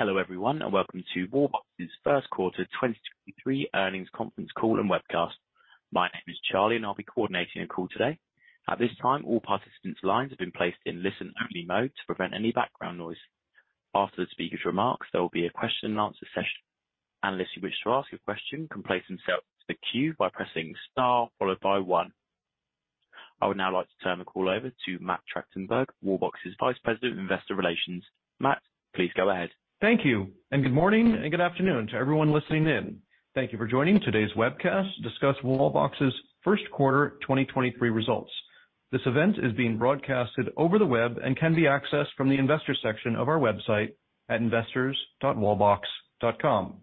Hello, everyone, welcome to Wallbox's first quarter 2023 earnings conference call and webcast. My name is Charlie, I'll be coordinating your call today. At this time, all participants' lines have been placed in listen-only mode to prevent any background noise. After the speaker's remarks, there will be a question and answer session. Analysts who wish to ask a question can place themselves to the queue by pressing star followed by one. I would now like to turn the call over to Matt Tractenberg, Wallbox's Vice President of Investor Relations. Matt, please go ahead. Thank you. Good morning and good afternoon to everyone listening in. Thank you for joining today's webcast to discuss Wallbox's first quarter 2023 results. This event is being broadcasted over the web and can be accessed from the investor section of our website at investors.wallbox.com.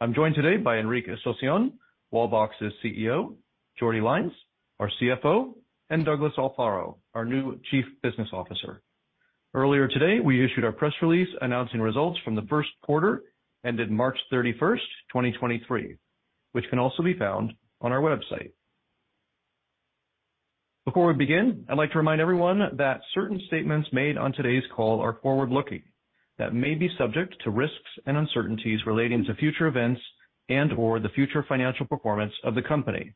I'm joined today by Enric Asunción, Wallbox's CEO, Jordi Lainz and Douglas Alfaro, our new Chief Business Officer. Earlier today, we issued our press release announcing results from the first quarter, ended March 31st, 2023, which can also be found on our website. Before we begin, I'd like to remind everyone that certain statements made on today's call are forward-looking, that may be subject to risks and uncertainties relating to future events and/or the future financial performance of the company.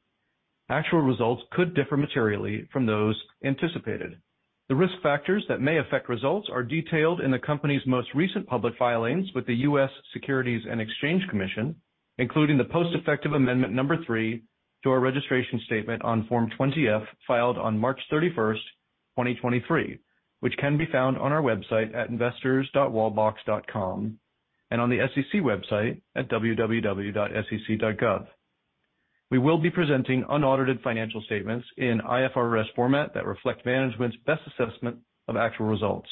Actual results could differ materially from those anticipated. The risk factors that may affect results are detailed in the company's most recent public filings with the U.S. Securities and Exchange Commission, including the post-effective amendment number three to our registration statement on Form 20-F, filed on March 31st, 2023, which can be found on our website at investors.Wallbox.com and on the SEC website at www.sec.gov. We will be presenting unaudited financial statements in IFRS format that reflect management's best assessment of actual results.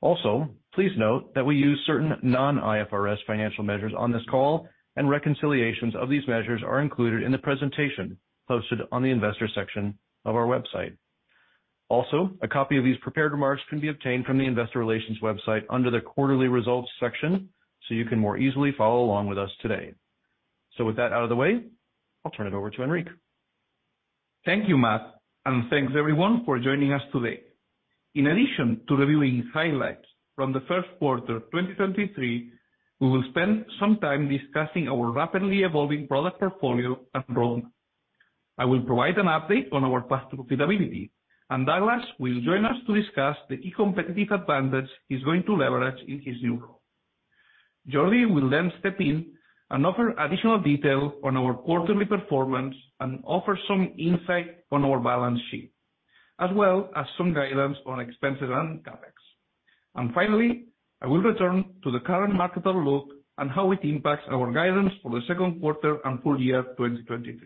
Also, please note that we use certain non-IFRS financial measures on this call, and reconciliations of these measures are included in the presentation posted on the investor section of our website. Also, a copy of these prepared remarks can be obtained from the investor relations website under the quarterly results section, so you can more easily follow along with us today. With that out of the way, I'll turn it over to Enric. Thank you, Matt. Thanks everyone for joining us today. In addition to reviewing highlights from the first quarter 2023, we will spend some time discussing our rapidly evolving product portfolio and roadmap. I will provide an update on our path to profitability. Douglas will join us to discuss the e-competitive advantage he's going to leverage in his new role. Jordi will then step in and offer additional detail on our quarterly performance and offer some insight on our balance sheet, as well as some guidance on expenses and CapEx. Finally, I will return to the current market outlook and how it impacts our guidance for the second quarter and full year 2023.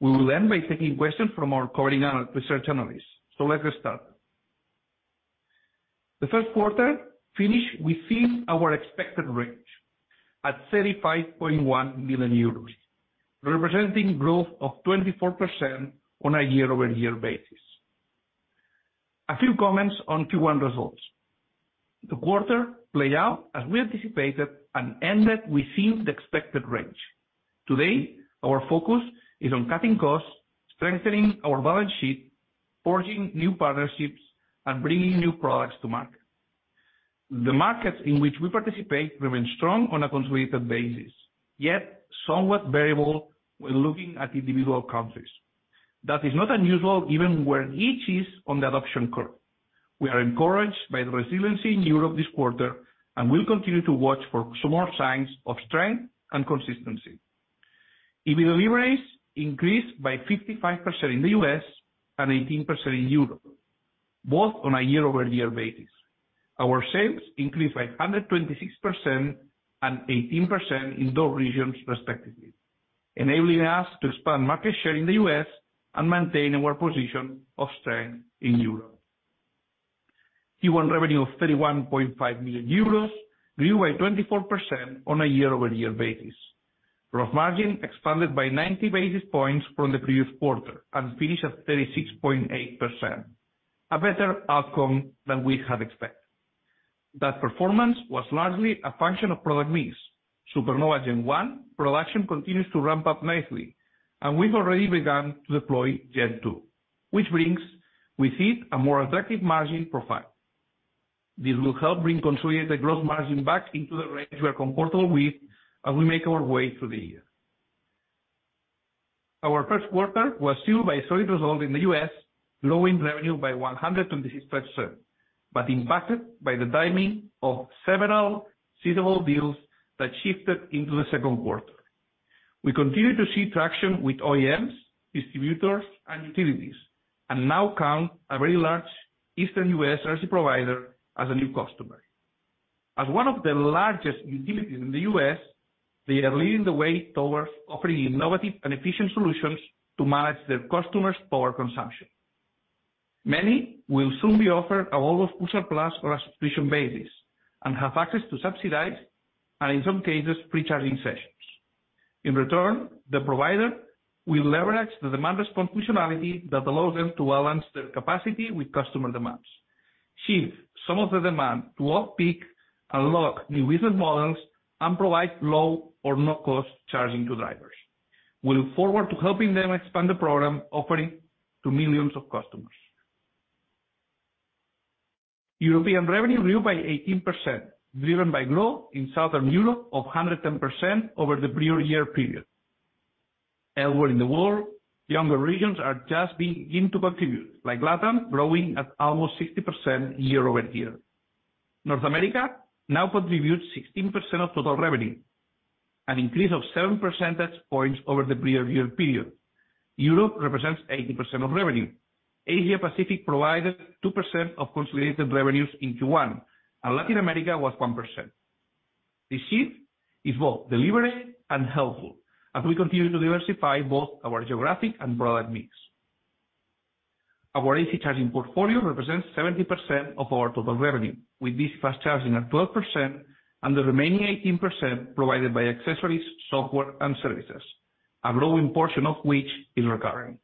We will end by taking questions from our covering research analysts. Let us start. The first quarter finished within our expected range at 35.1 million euros, representing growth of 24% on a year-over-year basis. A few comments on Q1 results. The quarter played out as we anticipated and ended within the expected range. Today, our focus is on cutting costs, strengthening our balance sheet, forging new partnerships, and bringing new products to market. The markets in which we participate remain strong on a consolidated basis, yet somewhat variable when looking at individual countries. That is not unusual given where each is on the adoption curve. We are encouraged by the resiliency in Europe this quarter and will continue to watch for more signs of strength and consistency. Individual rates increased by 55% in the U.S. and 18% in Europe, both on a year-over-year basis. Our sales increased by 126% and 18% in those regions respectively, enabling us to expand market share in the U.S. and maintain our position of strength in Europe. Q1 revenue of 31.5 million euros grew by 24% on a year-over-year basis. Gross margin expanded by 90 basis points from the previous quarter and finished at 36.8%, a better outcome than we had expected. That performance was largely a function of product mix. Supernova Gen 1 production continues to ramp up nicely, and we've already begun to deploy Gen 2, which brings with it a more attractive margin profile. This will help bring consolidated gross margin back into the range we are comfortable with as we make our way through the year. Our first quarter was sealed by solid results in the U.S., growing revenue by 126%. Impacted by the timing of several suitable deals that shifted into the second quarter. We continue to see traction with OEMs, distributors, and utilities. Now count a very large Eastern U.S. RC provider as a new customer. As one of the largest utilities in the U.S., they are leading the way towards offering innovative and efficient solutions to manage their customers' power consumption. Many will soon be offered a lot of future plus or a subscription basis. Have access to subsidized, and in some cases, pre-charging sessions. In return, the provider will leverage the demand response functionality that allows them to balance their capacity with customer demands, shift some of the demand to off-peak, unlock new business models, and provide low or no-cost charging to drivers. We look forward to helping them expand the program offering to millions of customers. European revenue grew by 18%, driven by growth in Southern Europe of 110% over the prior year period. Everywhere in the world, younger regions are just beginning to contribute, like Latam, growing at almost 60% year-over-year. North America now contributes 16% of total revenue, an increase of 7 percentage points over the prior year period. Europe represents 80% of revenue. Asia Pacific provided 2% of consolidated revenues in Q1, and Latin America was 1%. This shift is both deliberate and helpful as we continue to diversify both our geographic and product mix. Our AC charging portfolio represents 70% of our total revenue, with DC fast charging at 12% and the remaining 18% provided by accessories, software, and services, a growing portion of which is recurring.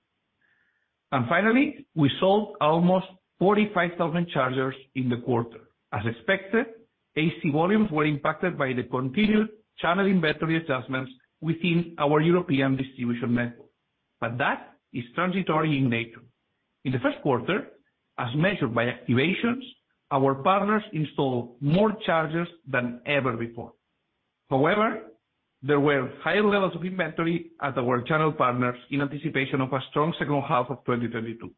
Finally, we sold almost 45,000 chargers in the quarter. As expected, AC volumes were impacted by the continued channel inventory adjustments within our European distribution network. That is transitory in nature. In the first quarter, as measured by activations, our partners installed more chargers than ever before. However, there were high levels of inventory at our channel partners in anticipation of a strong second half of 2022.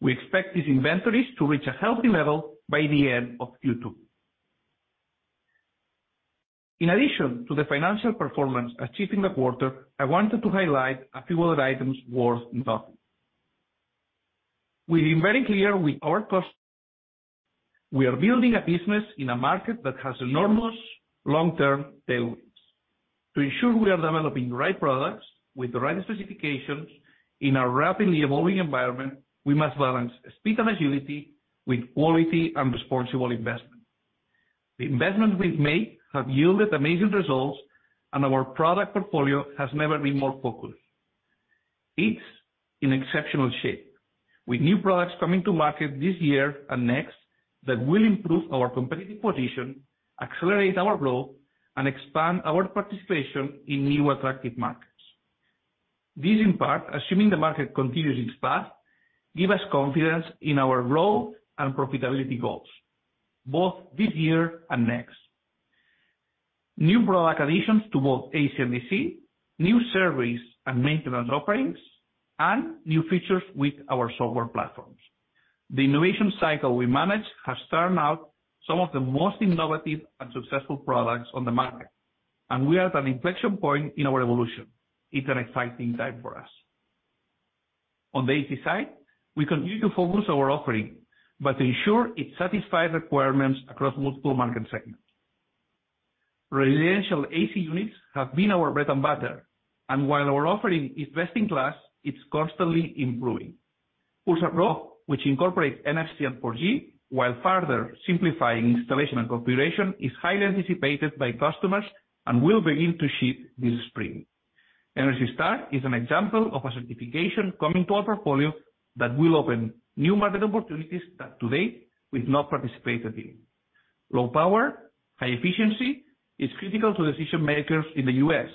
We expect these inventories to reach a healthy level by the end of Q2. In addition to the financial performance achieved in the quarter, I wanted to highlight a few other items worth discussing. We've been very clear with our customers. We are building a business in a market that has enormous long-term tailwinds. To ensure we are developing the right products with the right specifications in a rapidly evolving environment, we must balance speed and agility with quality and responsible investment. The investments we've made have yielded amazing results, and our product portfolio has never been more focused. It's in exceptional shape, with new products coming to market this year and next that will improve our competitive position, accelerate our growth, and expand our participation in new attractive markets. These, in part, assuming the market continues its path, give us confidence in our growth and profitability goals, both this year and next. New product additions to both AC and DC, new service and maintenance offerings, and new features with our software platforms. The innovation cycle we manage has turned out some of the most innovative and successful products on the market, and we are at an inflection point in our evolution. It's an exciting time for us. On the AC side, we continue to focus our offering, but ensure it satisfies requirements across multiple market segments. Residential AC units have been our bread and butter, and while our offering is best in class, it's constantly improving. Pulsar Pro, which incorporates NFC and 4G while further simplifying installation and configuration, is highly anticipated by customers and will begin to ship this spring. Energy Star is an example of a certification coming to our portfolio that will open new market opportunities that to date we've not participated in. Low power, high efficiency is critical to decision-makers in the U.S.,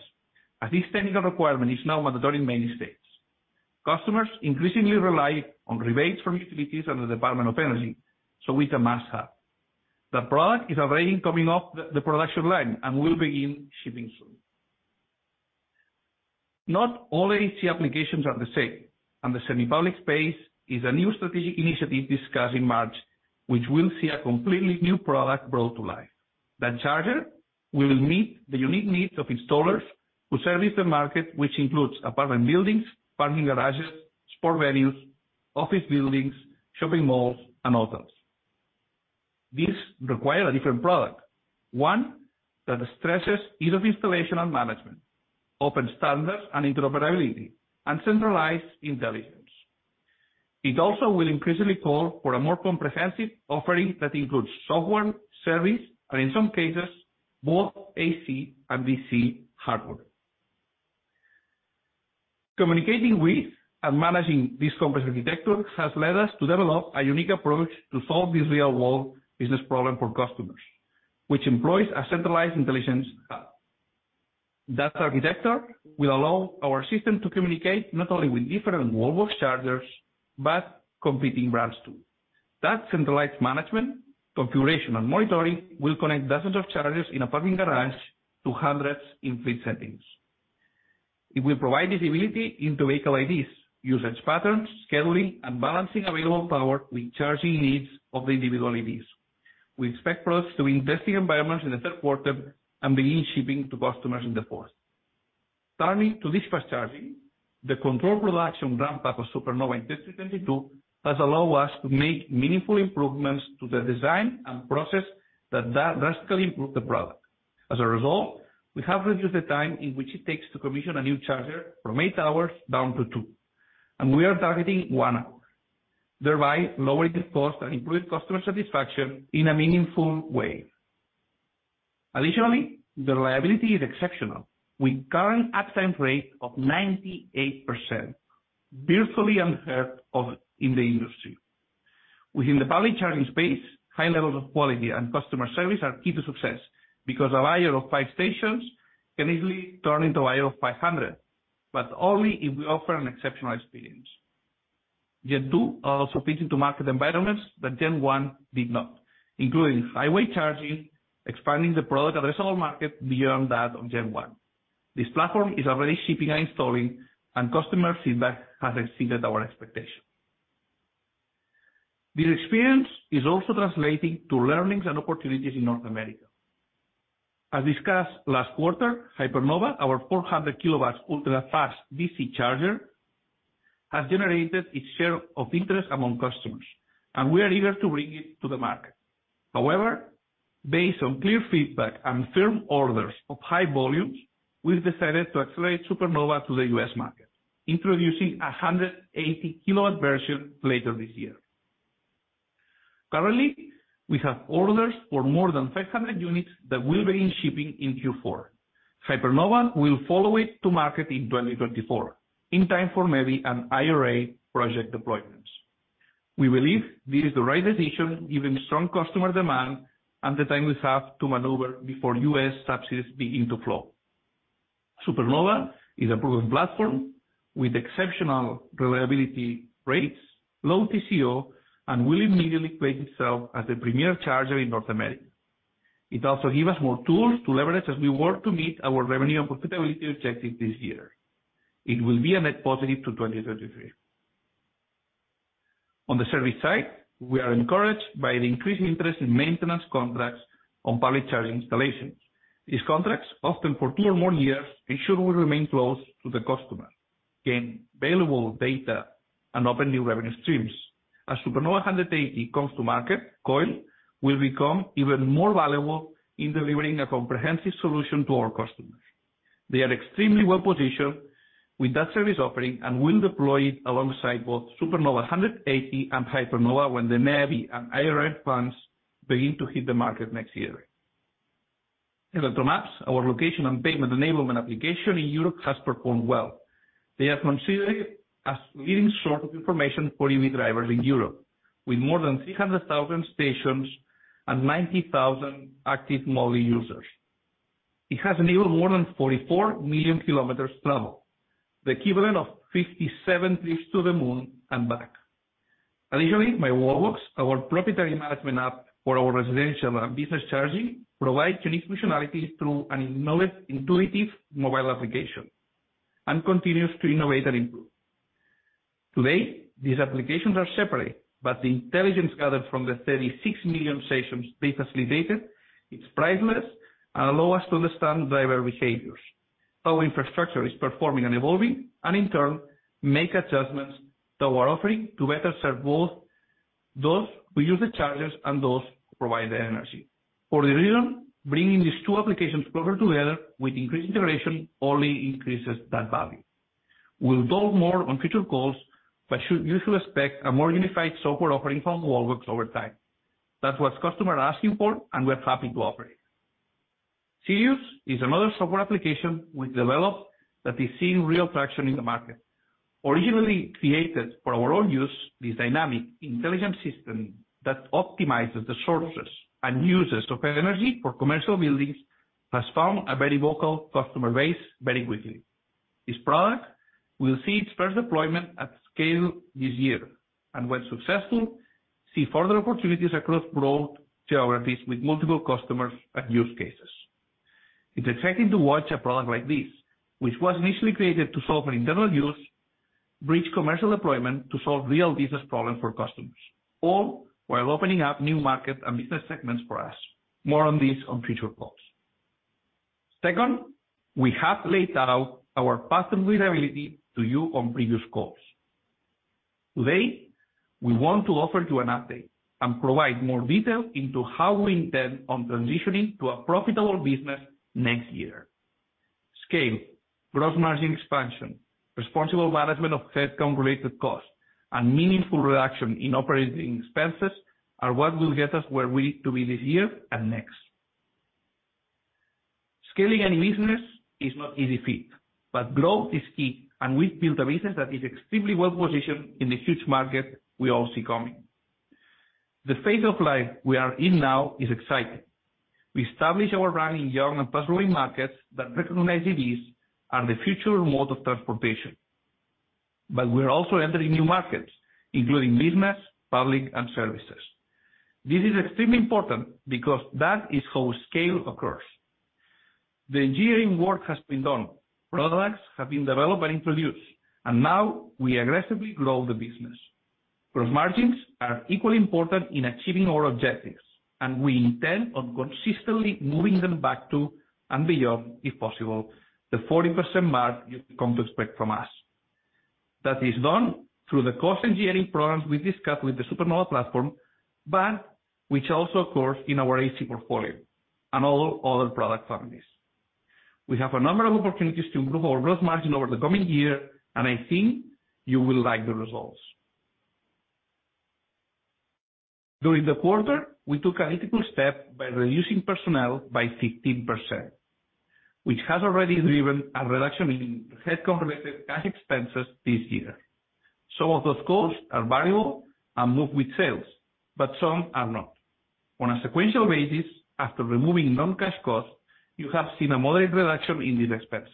as this technical requirement is now mandatory in many states. Customers increasingly rely on rebates from utilities and the Department of Energy, so it's a must-have. The product is already coming off the production line and will begin shipping soon. Not all AC applications are the same, and the semi-public space is a new strategic initiative discussed in March, which will see a completely new product brought to life. That charger will meet the unique needs of installers who service the market, which includes apartment buildings, parking garages, sport venues, office buildings, shopping malls, and others. These require a different product, one that stresses ease of installation and management, open standards and interoperability, and centralized intelligence. It also will increasingly call for a more comprehensive offering that includes software, service, and in some cases, both AC and DC hardware. Communicating with and managing these complex architectures has led us to develop a unique approach to solve this real-world business problem for customers, which employs a centralized intelligence hub. That architecture will allow our system to communicate not only with different Wallbox chargers, but competing brands, too. That centralized management, configuration, and monitoring will connect dozens of chargers in a parking garage to hundreds in fleet settings. It will provide visibility into vehicle IDs, usage patterns, scheduling, and balancing available power with charging needs of the individual EVs. We expect products to invest in environments in the third quarter and begin shipping to customers in the fourth. Turning to this fast charging, the controlled production ramp-up of Supernova in 2022 has allowed us to make meaningful improvements to the design and process that drastically improved the product. As a result, we have reduced the time in which it takes to commission a new charger from eight hours down to two, and we are targeting one hour, thereby lowering the cost and improve customer satisfaction in a meaningful way. Additionally, the reliability is exceptional with current uptime rate of 98%, virtually unheard of in the industry. Within the public charging space, high levels of quality and customer service are key to success because a buyer of five stations can easily turn into a buyer of 500, but only if we offer an exceptional experience. Gen 2 are also fitting to market environments that Gen 1 did not, including highway charging, expanding the product addressable market beyond that of Gen 1. This platform is already shipping and installing, and customer feedback has exceeded our expectations. This experience is also translating to learnings and opportunities in North America. As discussed last quarter, Hypernova, our 400 kW ultra-fast DC charger, has generated its share of interest among customers, and we are eager to bring it to the market. Based on clear feedback and firm orders of high volumes, we've decided to accelerate Hypernova to the U.S. market, introducing a 180 kW version later this year. Currently, we have orders for more than 500 units that will be in shipping in Q4. Hypernova will follow it to market in 2024, in time for maybe an IRA project deployments. We believe this is the right decision given strong customer demand and the time we have to maneuver before U.S. subsidies begin to flow. Hypernova is a proven platform with exceptional reliability rates, low TCO, and will immediately place itself as a premier charger in North America. It also gives us more tools to leverage as we work to meet our revenue and profitability objectives this year. It will be a net positive to 2023. On the service side, we are encouraged by the increased interest in maintenance contracts on public charging installations. These contracts, often for two or more years, ensure we remain close to the customer, gain valuable data, and open new revenue streams. As Hypernova 180 comes to market, COIL will become even more valuable in delivering a comprehensive solution to our customers. They are extremely well-positioned with that service offering, will deploy it alongside both Hypernova 180 and Hypernova when the NEVI and IRA funds begin to hit the market next year. Electromaps, our location and payment enablement application in Europe, has performed well. They are considered as leading source of information for EV drivers in Europe, with more than 300,000 stations and 90,000 active monthly users. It has enabled more than 44 million kilometers traveled, the equivalent of 57 trips to the moon and back. Additionally, myWallbox, our proprietary management app for our residential and business charging, provides unique functionalities through an intuitive mobile application, and continues to innovate and improve. Today, these applications are separate, but the intelligence gathered from the 36 million sessions previously gated, it's priceless and allow us to understand driver behaviors, how infrastructure is performing and evolving, and in turn, make adjustments to our offering to better serve both those who use the chargers and those who provide the energy. For the reason, bringing these two applications closer together with increased integration only increases that value. We'll talk more on future calls, but you should expect a more unified software offering from Wallbox over time. That's what customers are asking for, and we're happy to operate. Sirius is another software application we developed that is seeing real traction in the market. Originally created for our own use, this dynamic intelligence system that optimizes the sources and users of energy for commercial buildings has found a very vocal customer base very quickly. This product will see its first deployment at scale this year, and when successful, see further opportunities across broad geographies with multiple customers and use cases. It's exciting to watch a product like this, which was initially created to solve an internal use, bridge commercial deployment to solve real business problems for customers, all while opening up new markets and business segments for us. More on this on future calls. Second, we have laid out our path to reliability to you on previous calls. Today, we want to offer you an update and provide more detail into how we intend on transitioning to a profitable business next year. Scale, gross margin expansion, responsible management of CapEx and related costs, and meaningful reduction in OpEx are what will get us where we need to be this year and next. Scaling any business is no easy feat. Growth is key, and we've built a business that is extremely well-positioned in the huge market we all see coming. The phase of life we are in now is exciting. We establish our brand in young and fast-growing markets that recognize EVs are the future mode of transportation. We're also entering new markets, including business, public, and services. This is extremely important because that is how scale occurs. The engineering work has been done. Products have been developed and introduced, and now we aggressively grow the business. Gross margins are equally important in achieving our objectives, and we intend on consistently moving them back to, and beyond, if possible, the 40% mark you've come to expect from us. That is done through the cost engineering programs we discussed with the Hypernova platform, but which also occurs in our AC portfolio and all other product families. We have a number of opportunities to improve our gross margin over the coming year, and I think you will like the results. During the quarter, we took a critical step by reducing personnel by 15%. Which has already driven a reduction in head corrugated cash expenses this year. Some of those costs are variable and move with sales, but some are not. On a sequential basis, after removing non-cash costs, you have seen a moderate reduction in these expenses.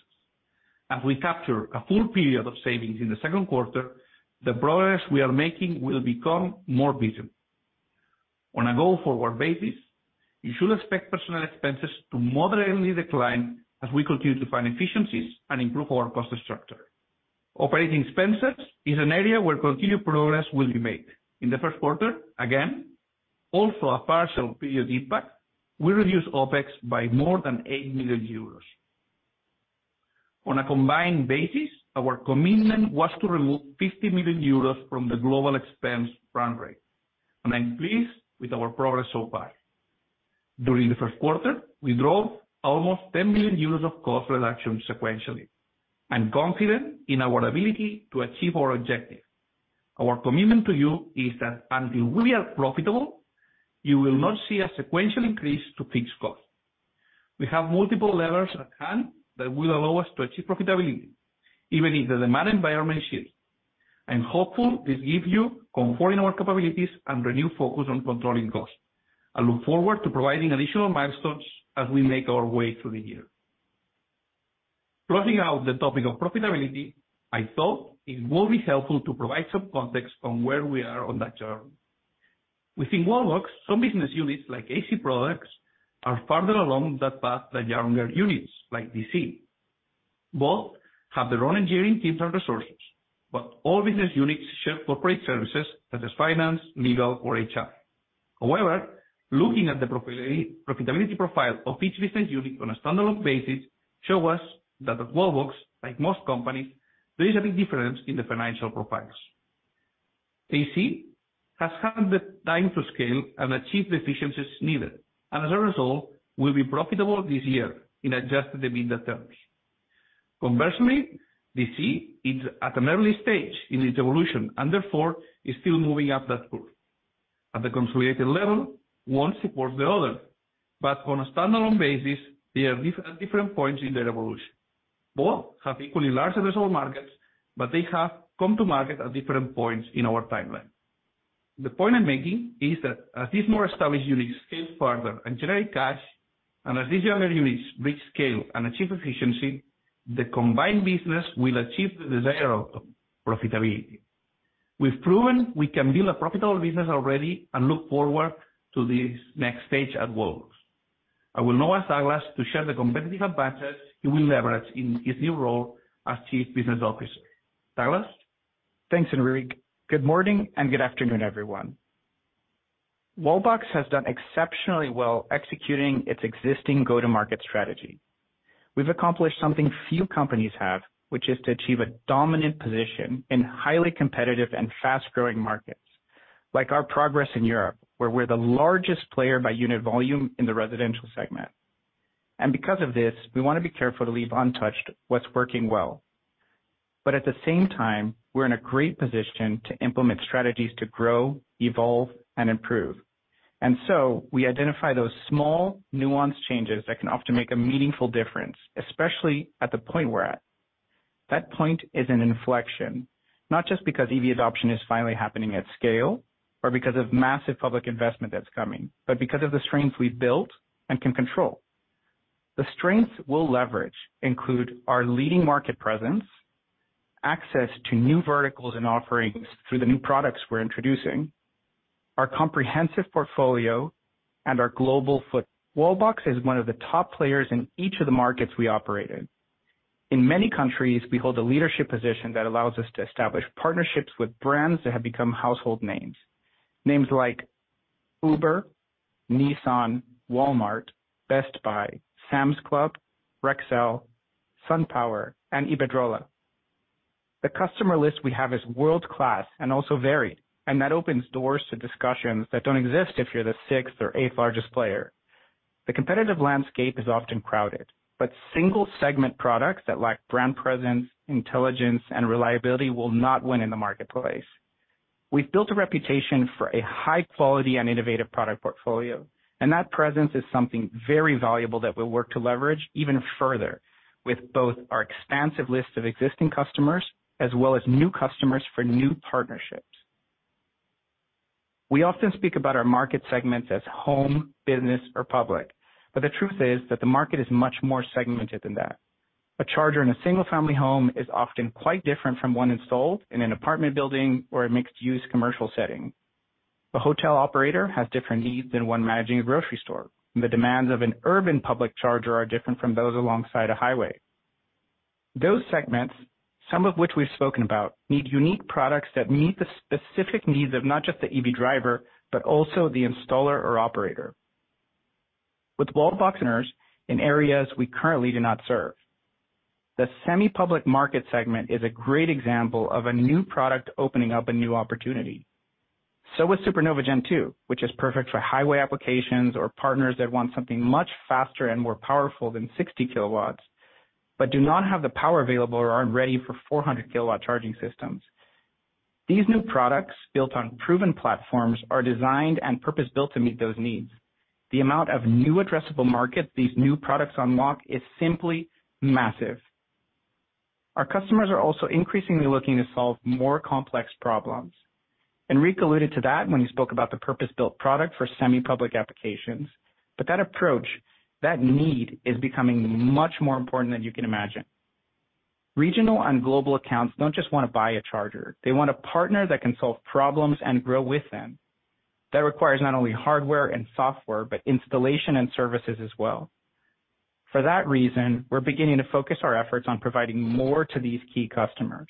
As we capture a full period of savings in the second quarter, the progress we are making will become more visible. On a go-forward basis, you should expect personnel expenses to moderately decline as we continue to find efficiencies and improve our cost structure. Operating expenses is an area where continued progress will be made. In the first quarter, again, also a partial period impact, we reduced OpEx by more than 8 million euros. On a combined basis, our commitment was to remove 50 million euros from the global expense run rate. I'm pleased with our progress so far. During the first quarter, we drove almost 10 million euros of cost reduction sequentially. I'm confident in our ability to achieve our objective. Our commitment to you is that until we are profitable, you will not see a sequential increase to fixed costs. We have multiple levers at hand that will allow us to achieve profitability, even if the demand environment shifts. I'm hopeful this gives you comfort in our capabilities and renewed focus on controlling costs. I look forward to providing additional milestones as we make our way through the year. Closing out the topic of profitability, I thought it would be helpful to provide some context on where we are on that journey. Within Wallbox, some business units like AC products, are further along that path than younger units like DC. Both have their own engineering teams and resources, but all business units share corporate services such as finance, legal, or HR. Looking at the profitability profile of each business unit on a standalone basis shows us that at Wallbox, like most companies, there is a big difference in the financial profiles. AC has had the time to scale and achieve the efficiencies needed, and as a result, will be profitable this year in Adjusted EBITDA terms. DC is at an early stage in its evolution and therefore is still moving up that curve. At the consolidated level, one supports the other, but on a standalone basis, they are at different points in their evolution. Both have equally large addressable markets, but they have come to market at different points in our timeline. The point I'm making is that as these more established units scale further and generate cash, and as these younger units reach scale and achieve efficiency, the combined business will achieve the desired outcome, profitability. We've proven we can build a profitable business already and look forward to this next stage at Wallbox. I will now ask Douglas to share the competitive advantages he will leverage in his new role as Chief Business Officer. Douglas? Thanks, Enric. Good morning and good afternoon, everyone. Wallbox has done exceptionally well executing its existing go-to-market strategy. We've accomplished something few companies have, which is to achieve a dominant position in highly competitive and fast-growing markets. Like our progress in Europe, where we're the largest player by unit volume in the residential segment. Because of this, we wanna be careful to leave untouched what's working well. At the same time, we're in a great position to implement strategies to grow, evolve, and improve. So we identify those small nuanced changes that can often make a meaningful difference, especially at the point we're at. That point is an inflection, not just because EV adoption is finally happening at scale or because of massive public investment that's coming, but because of the strength we've built and can control. The strengths we'll leverage include our leading market presence, access to new verticals and offerings through the new products we're introducing, our comprehensive portfolio, and our global foot. Wallbox is one of the top players in each of the markets we operate in. In many countries, we hold a leadership position that allows us to establish partnerships with brands that have become household names. Names like Uber, Nissan, Walmart, Best Buy, Sam's Club, Rexel, SunPower, and Iberdrola. The customer list we have is world-class and also varied, and that opens doors to discussions that don't exist if you're the sixth or eighth largest player. The competitive landscape is often crowded, but single-segment products that lack brand presence, intelligence, and reliability will not win in the marketplace. We've built a reputation for a high quality and innovative product portfolio, and that presence is something very valuable that we'll work to leverage even further with both our expansive list of existing customers as well as new customers for new partnerships. We often speak about our market segments as home, business, or public, but the truth is that the market is much more segmented than that. A charger in a single-family home is often quite different from one installed in an apartment building or a mixed-use commercial setting. A hotel operator has different needs than one managing a grocery store. The demands of an urban public charger are different from those alongside a highway. Those segments, some of which we've spoken about, need unique products that meet the specific needs of not just the EV driver, but also the installer or operator. With Wallbox partners in areas we currently do not serve. The semi-public market segment is a great example of a new product opening up a new opportunity. With Supernova Gen 2, which is perfect for highway applications or partners that want something much faster and more powerful than 60 kW, but do not have the power available or aren't ready for 400 kW charging systems. These new products built on proven platforms are designed and purpose-built to meet those needs. The amount of new addressable market these new products unlock is simply massive. Our customers are also increasingly looking to solve more complex problems. Enrique alluded to that when he spoke about the purpose-built product for semi-public applications. That approach, that need, is becoming much more important than you can imagine. Regional and global accounts don't just wanna buy a charger, they want a partner that can solve problems and grow with them. That requires not only hardware and software, but installation and services as well. For that reason, we're beginning to focus our efforts on providing more to these key customers.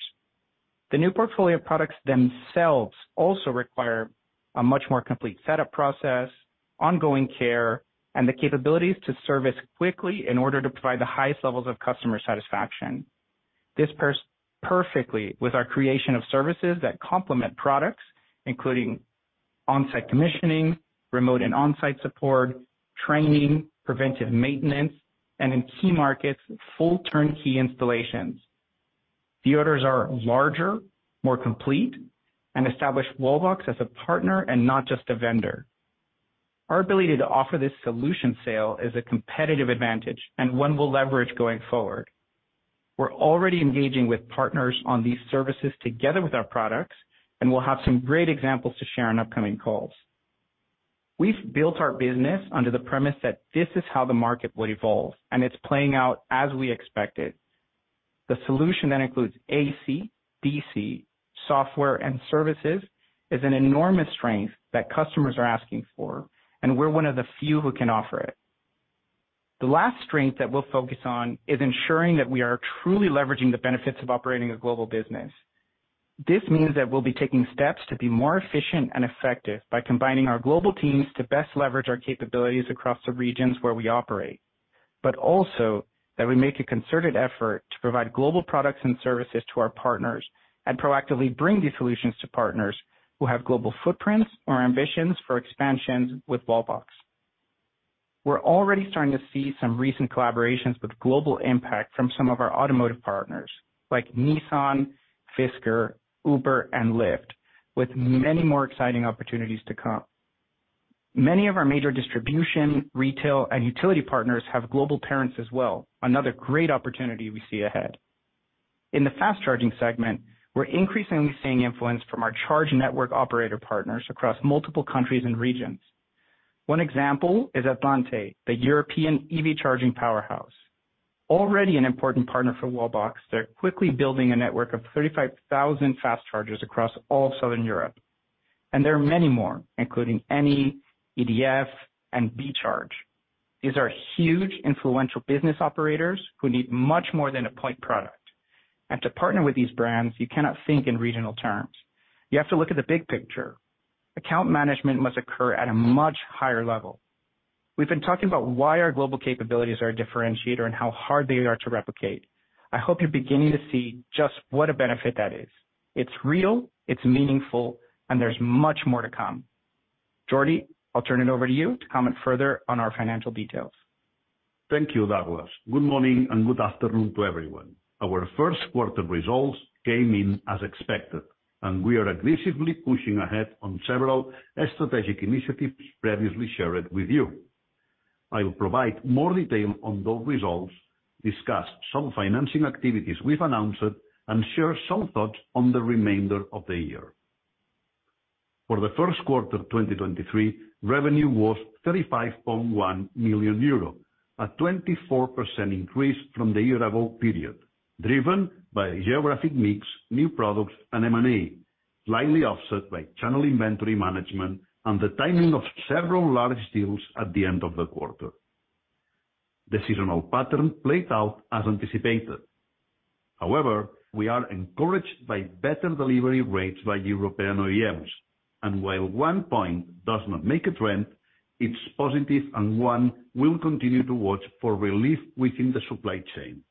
The new portfolio of products themselves also require a much more complete setup process, ongoing care, and the capabilities to service quickly in order to provide the highest levels of customer satisfaction. This pairs perfectly with our creation of services that complement products, including on-site commissioning, remote and on-site support, training, preventive maintenance, and in key markets, full turnkey installations. The orders are larger, more complete, and establish Wallbox as a partner and not just a vendor. Our ability to offer this solution sale is a competitive advantage and one we'll leverage going forward. We're already engaging with partners on these services together with our products, and we'll have some great examples to share on upcoming calls. We've built our business under the premise that this is how the market will evolve, and it's playing out as we expected. The solution that includes AC, DC, software, and services is an enormous strength that customers are asking for, and we're one of the few who can offer it. The last strength that we'll focus on is ensuring that we are truly leveraging the benefits of operating a global business. This means that we'll be taking steps to be more efficient and effective by combining our global teams to best leverage our capabilities across the regions where we operate. Also that we make a concerted effort to provide global products and services to our partners and proactively bring these solutions to partners who have global footprints or ambitions for expansions with Wallbox. We're already starting to see some recent collaborations with global impact from some of our automotive partners, like Nissan, Fisker, Uber, and Lyft, with many more exciting opportunities to come. Many of our major distribution, retail, and utility partners have global parents as well, another great opportunity we see ahead. In the fast charging segment, we're increasingly seeing influence from our charge network operator partners across multiple countries and regions. One example is Atlante, the European EV charging powerhouse. Already an important partner for Wallbox, they're quickly building a network of 35,000 fast chargers across all of Southern Europe. There are many more, including Eni, EDF, and Be Charge. These are huge influential business operators who need much more than a point product. To partner with these brands, you cannot think in regional terms. You have to look at the big picture. Account management must occur at a much higher level. We've been talking about why our global capabilities are a differentiator and how hard they are to replicate. I hope you're beginning to see just what a benefit that is. It's real, it's meaningful, and there's much more to come. Jordi, I'll turn it over to you to comment further on our financial details. Thank you, Douglas. Good morning and good afternoon to everyone. Our first quarter results came in as expected, and we are aggressively pushing ahead on several strategic initiatives previously shared with you. I will provide more detail on those results, discuss some financing activities we've announced, and share some thoughts on the remainder of the year. For the first quarter of 2023, revenue was 35.1 million euro, a 24% increase from the year-ago period, driven by geographic mix, new products, and M&A, slightly offset by channel inventory management and the timing of several large deals at the end of the quarter. The seasonal pattern played out as anticipated. However, we are encouraged by better delivery rates by European OEMs, and while one point does not make a trend, it's positive and one we'll continue to watch for relief within the supply chain.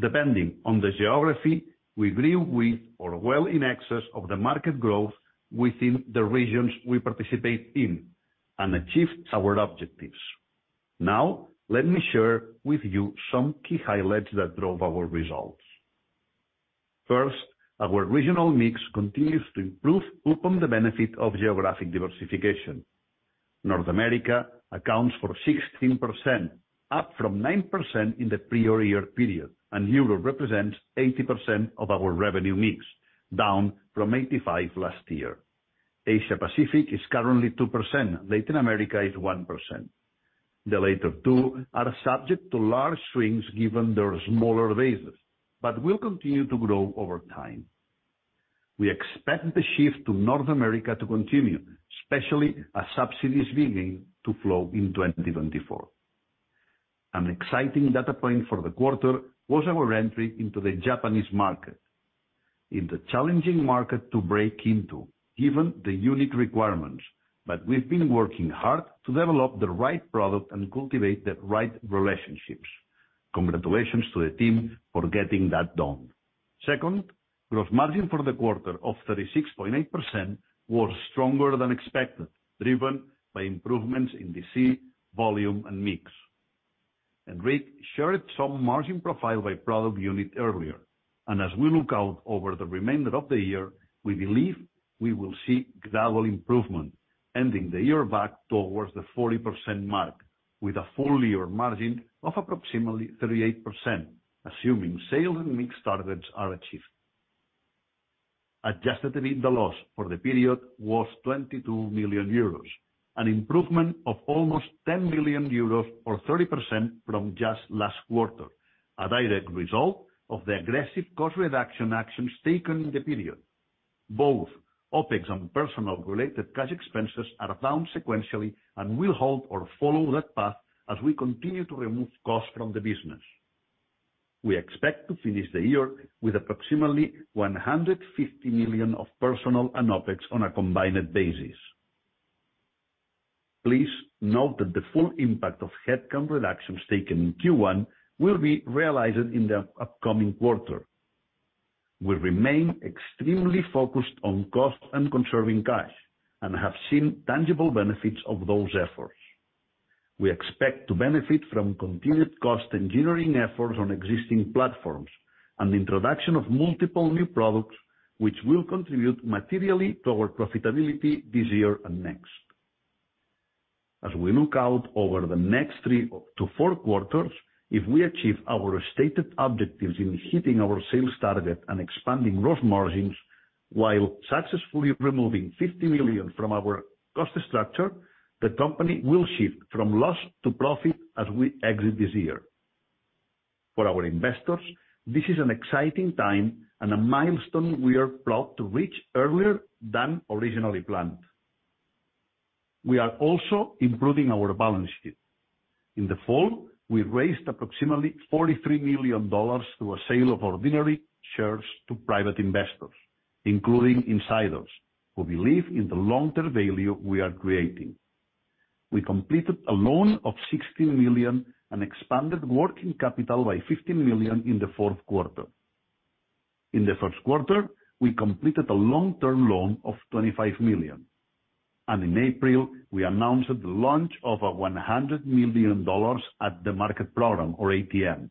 Depending on the geography, we grew with or well in excess of the market growth within the regions we participate in and achieved our objectives. Let me share with you some key highlights that drove our results. First, our regional mix continues to improve upon the benefit of geographic diversification. North America accounts for 16%, up from 9% in the prior year period, and Europe represents 80% of our revenue mix, down from 85% last year. Asia Pacific is currently 2%. Latin America is 1%. The latter two are subject to large swings given their smaller bases, but will continue to grow over time. We expect the shift to North America to continue, especially as subsidies begin to flow in 2024. An exciting data point for the quarter was our entry into the Japanese market. It's a challenging market to break into given the unique requirements, but we've been working hard to develop the right product and cultivate the right relationships. Congratulations to the team for getting that done. Second, gross margin for the quarter of 36.8% was stronger than expected, driven by improvements in DC, volume, and mix. Enric shared some margin profile by product unit earlier. As we look out over the remainder of the year, we believe we will see gradual improvement, ending the year back towards the 40% mark with a full year margin of approximately 38%, assuming sales and mix targets are achieved. Adjusted EBITDA loss for the period was 22 million euros, an improvement of almost 10 million euros or 30% from just last quarter, a direct result of the aggressive cost reduction actions taken in the period. Both OpEx and personnel-related cash expenses are down sequentially and will hold or follow that path as we continue to remove costs from the business. We expect to finish the year with approximately $150 million of personnel and OpEx on a combined basis. Please note that the full impact of headcount reductions taken in Q1 will be realized in the upcoming quarter. We remain extremely focused on cost and conserving cash and have seen tangible benefits of those efforts. We expect to benefit from continued cost engineering efforts on existing platforms and the introduction of multiple new products, which will contribute materially to our profitability this year and next. As we look out over the next three to four quarters, if we achieve our stated objectives in hitting our sales target and expanding gross margins while successfully removing $50 million from our cost structure, the company will shift from loss to profit as we exit this year. For our investors, this is an exciting time and a milestone we are proud to reach earlier than originally planned. We are also improving our balance sheet. In the fall, we raised approximately $43 million through a sale of ordinary shares to private investors, including insiders, who believe in the long-term value we are creating. We completed a loan of $16 million and expanded working capital by $15 million in the fourth quarter. In the first quarter, we completed a long-term loan of $25 million. In April, we announced the launch of a $100 million at the market program or ATM.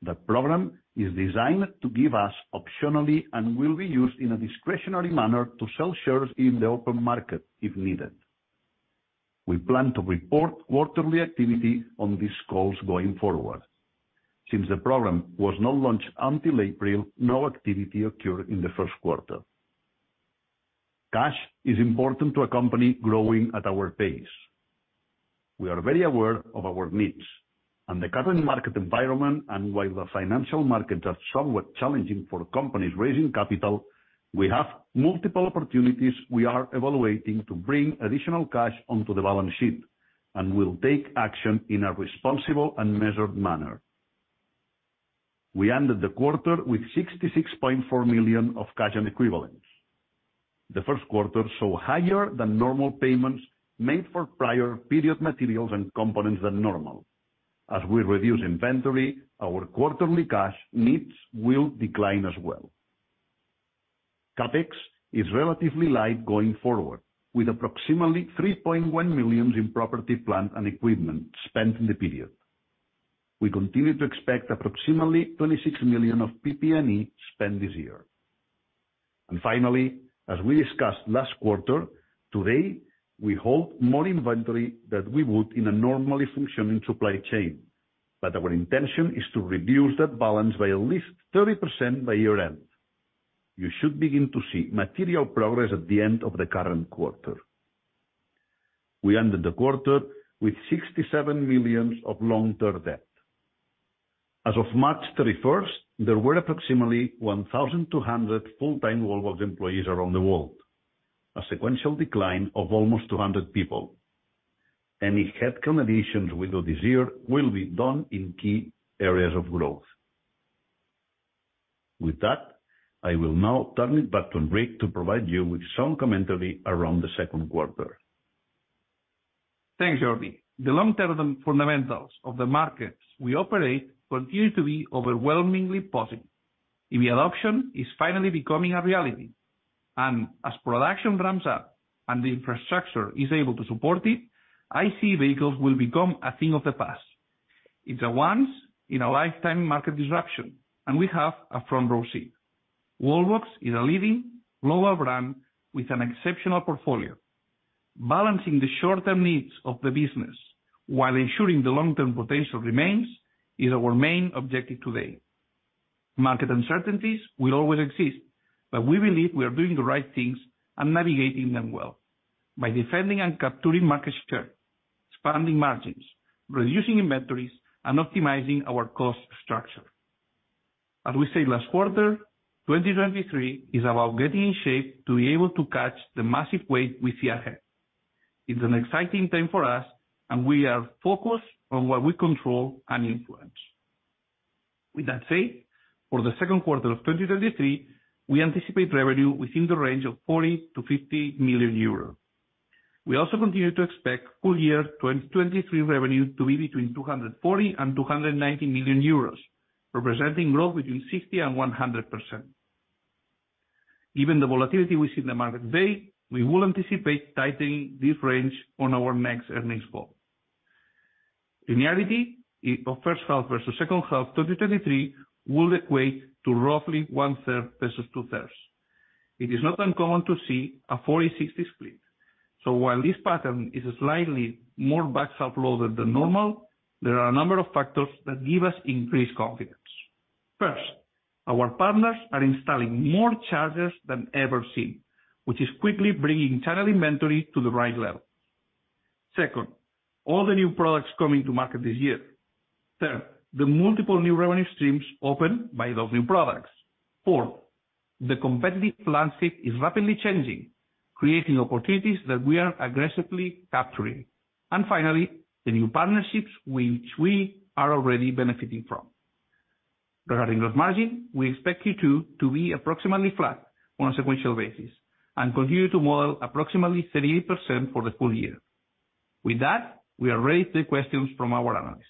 The program is designed to give us optionality and will be used in a discretionary manner to sell shares in the open market if needed. We plan to report quarterly activity on these calls going forward. Since the program was not launched until April, no activity occurred in the first quarter. Cash is important to a company growing at our pace. We are very aware of our needs. In the current market environment and while the financial markets are somewhat challenging for companies raising capital, we have multiple opportunities we are evaluating to bring additional cash onto the balance sheet, and we'll take action in a responsible and measured manner. We ended the quarter with $66.4 million of cash and equivalents. The first quarter saw higher than normal payments made for prior period materials and components than normal. As we reduce inventory, our quarterly cash needs will decline as well. CapEx is relatively light going forward, with approximately $3.1 million in property, plant, and equipment spent in the period. Finally, we continue to expect approximately $26 million of PP&E spend this year. As we discussed last quarter, today, we hold more inventory than we would in a normally functioning supply chain, but our intention is to reduce that balance by at least 30% by year-end. You should begin to see material progress at the end of the current quarter. We ended the quarter with $67 million of long-term debt. As of March 31st, there were approximately 1,200 full-time Wallbox employees around the world, a sequential decline of almost 200 people. Any headcount additions we do this year will be done in key areas of growth. I will now turn it back to Enric to provide you with some commentary around the second quarter. Thanks, Jordi. The long-term fundamentals of the markets we operate continue to be overwhelmingly positive. EV adoption is finally becoming a reality, and as production ramps up and the infrastructure is able to support it, ICE vehicles will become a thing of the past. It's a once-in-a-lifetime market disruption, and we have a front-row seat. Wallbox is a leading global brand with an exceptional portfolio. Balancing the short-term needs of the business while ensuring the long-term potential remains is our main objective today. Market uncertainties will always exist, but we believe we are doing the right things and navigating them well by defending and capturing market share, expanding margins, reducing inventories, and optimizing our cost structure. As we said last quarter, 2023 is about getting in shape to be able to catch the massive wave we see ahead. It's an exciting time for us, and we are focused on what we control and influence. With that said, for the second quarter of 2023, we anticipate revenue within the range of 40 million-50 million euros. We also continue to expect full year 2023 revenue to be between 240 million and 290 million euros, representing growth between 60% and 100%. Given the volatility we see in the market today, we will anticipate tightening this range on our next earnings call. Linearity of first half versus second half 2023 will equate to roughly one-third versus two-thirds. It is not uncommon to see a 40/60 split. While this pattern is slightly more backs up loaded than normal, there are a number of factors that give us increased confidence. First, our partners are installing more chargers than ever seen, which is quickly bringing channel inventory to the right level. Second, all the new products coming to market this year. Third, the multiple new revenue streams opened by those new products. Fourth, the competitive landscape is rapidly changing, creating opportunities that we are aggressively capturing. Finally, the new partnerships which we are already benefiting from. Regarding gross margin, we expect Q2 to be approximately flat on a sequential basis and continue to model approximately 38% for the full year. With that, we are ready to take questions from our analysts.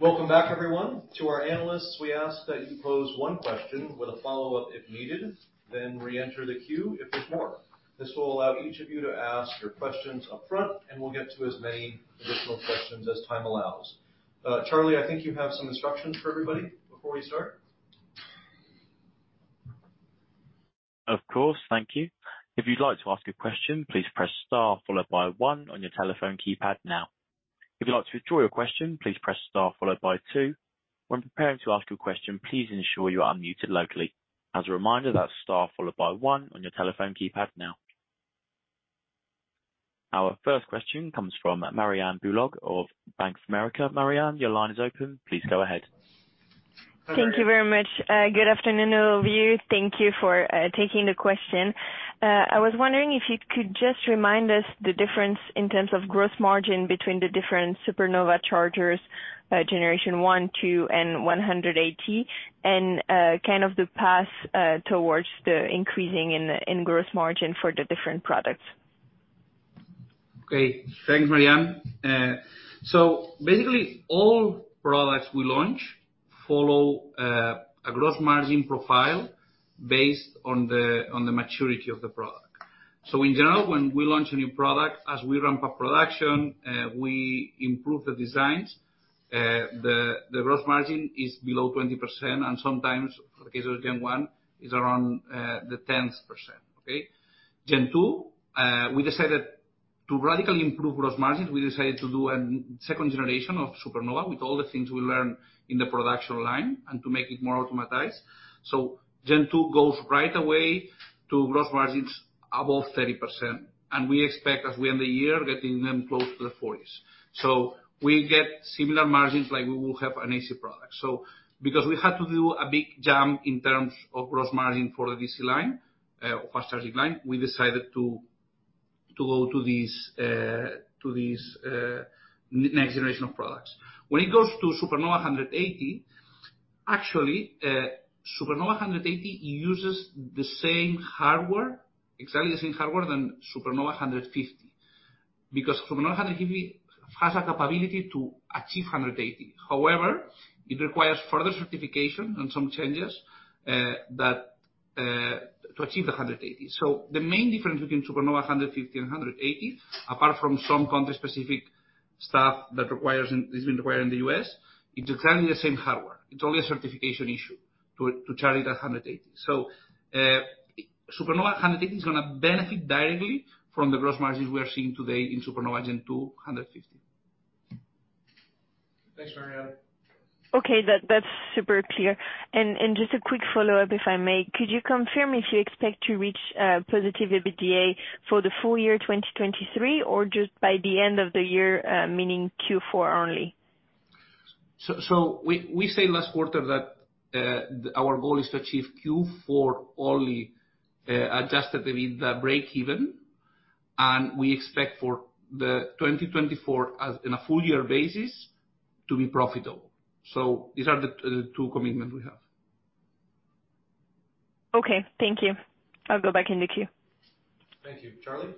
Welcome back everyone. To our analysts, we ask that you pose one question with a follow-up, if needed, then re-enter the queue if there's more. This will allow each of you to ask your questions up front, and we'll get to as many additional questions as time allows. Charlie, I think you have some instructions for everybody before we start. Of course. Thank you. If you'd like to ask a question, please press star followed by one on your telephone keypad now. If you'd like to withdraw your question, please press star followed by two. When preparing to ask your question, please ensure you are unmuted locally. As a reminder, that's star followed by one on your telephone keypad now. Our first question comes from Marianne Bulot of Bank of America. Marianne, your line is open. Please go ahead. Thank you very much. good afternoon, all of you. Thank you for taking the question. I was wondering if you could just remind us the difference in terms of gross margin between the different Supernova chargers, Generation 1, 2, and 180, and kind of the path towards the increasing in gross margin for the different products. Okay, thanks, Marianne. Basically, all products we launch follow a gross margin profile based on the maturity of the product. In general, when we launch a new product, as we ramp up production, we improve the designs. The gross margin is below 20%, and sometimes, for the case of Gen 1, is around the 10%. Gen 2, we decided to radically improve gross margins, we decided to do a second generation of Supernova with all the things we learned in the production line and to make it more automatized. Gen 2 goes right away to gross margins above 30%, and we expect as we end the year, getting them close to the 40s. We get similar margins like we will have an AC product. Because we had to do a big jump in terms of gross margin for the DC line, fast charging line, we decided to go to these next generation of products. When it goes to Supernova 180. Actually, Supernova 180 uses the same hardware, exactly the same hardware than Supernova 150, because Supernova 150 has a capability to achieve 180. However, it requires further certification and some changes that to achieve the 180. The main difference between Supernova 150 and 180, apart from some country specific stuff that requires is required in the U.S., it's exactly the same hardware. It's only a certification issue to charge it at 180. Supernova 180 is gonna benefit directly from the gross margins we are seeing today in Supernova 150. Thanks, Marianne. Okay. That's super clear. Just a quick follow-up, if I may. Could you confirm if you expect to reach positive EBITDA for the full year 2023, or just by the end of the year, meaning Q4 only? We said last quarter that, our goal is to achieve Q4 only, Adjusted EBITDA breakeven, and we expect for the 2024 as in a full year basis to be profitable. These are the two commitments we have. Okay. Thank you. I'll go back in the queue. Thank you. Charlie?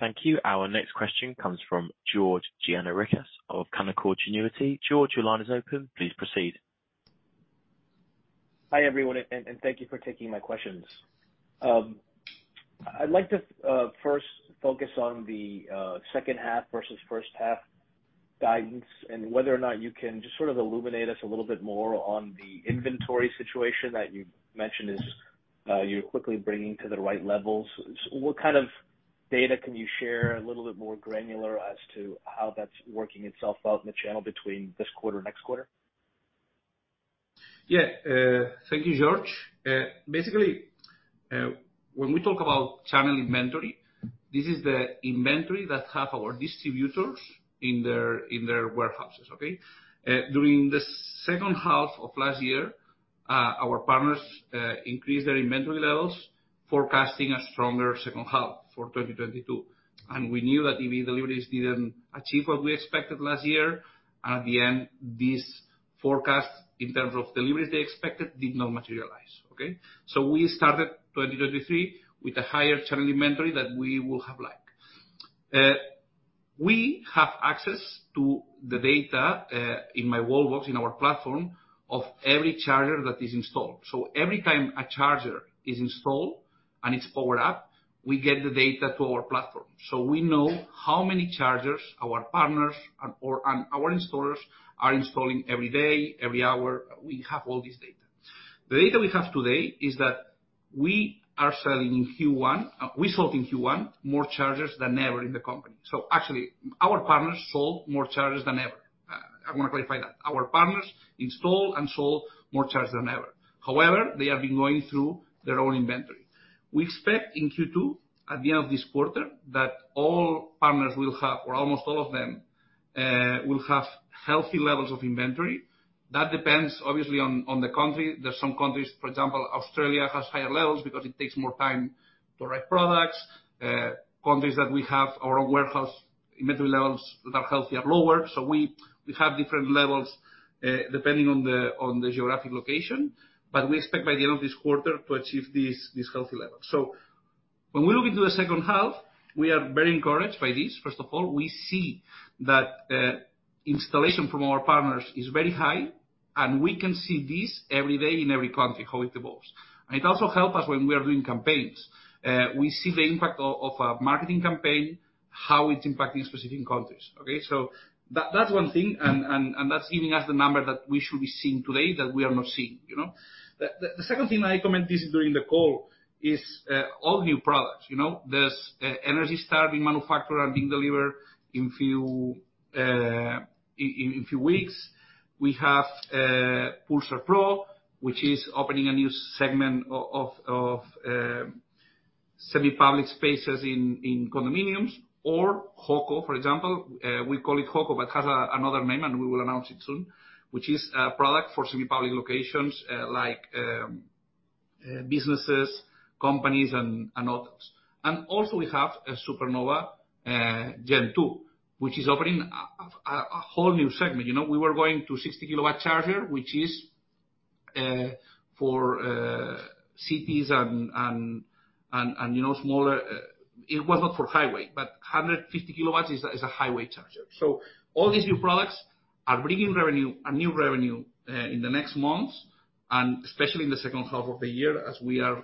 Thank you. Our next question comes from George Gianarikas of Canaccord Genuity. George, your line is open. Please proceed. Hi, everyone, and thank you for taking my questions. I'd like to first focus on the second half versus first half guidance and whether or not you can just sort of illuminate us a little bit more on the inventory situation that you mentioned is you're quickly bringing to the right levels. What kind of data can you share a little bit more granular as to how that's working itself out in the channel between this quarter and next quarter? Thank you, George. Basically, when we talk about channel inventory, this is the inventory that half our distributors in their warehouses, okay. During the second half of last year, our partners increased their inventory levels, forecasting a stronger second half for 2022. We knew that EV deliveries didn't achieve what we expected last year. At the end, this forecast in terms of deliveries they expected did not materialize, okay. We started 2023 with a higher channel inventory that we will have. We have access to the data in myWallbox, in our platform of every charger that is installed. Every time a charger is installed and it's powered up, we get the data to our platform. We know how many chargers our partners and our installers are installing every day, every hour, we have all this data. The data we have today is that we are selling in Q1. We sold in Q1 more chargers than ever in the company. Actually our partners sold more chargers than ever. I wanna clarify that. Our partners installed and sold more chargers than ever. However, they have been going through their own inventory. We expect in Q2, at the end of this quarter, that all partners will have, or almost all of them, will have healthy levels of inventory. That depends, obviously, on the country. There's some countries, for example, Australia has higher levels because it takes more time to write products. Countries that we have our own warehouse inventory levels that are healthy or lower. We have different levels, depending on the geographic location. We expect by the end of this quarter to achieve this healthy level. When we look into the second half, we are very encouraged by this. First of all, we see that installation from our partners is very high, and we can see this every day in every country, how it evolves. It also help us when we are doing campaigns. We see the impact of a marketing campaign, how it's impacting specific countries, okay? That's one thing, and that's giving us the number that we should be seeing today that we are not seeing, you know? The second thing I comment this during the call is all new products. You know, there's energy storage manufacturer being delivered in few weeks. We have Pulsar Pro, which is opening a new segment of semi-public spaces in condominiums or Hoco, for example. We call it Hoco, but it has another name, and we will announce it soon, which is a product for semi-public locations, like businesses, companies and others. Also we have a Supernova Gen 2, which is opening a whole new segment. You know, we were going to 60 kW charger, which is for cities and, you know, smaller. It was not for highway, but 150 kW is a highway charger. All these new products are bringing revenue and new revenue in the next months, and especially in the second half of the year as we are